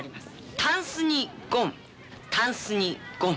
タンスにゴン、タンスにゴン。